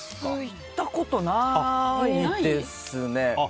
行ったことないですね。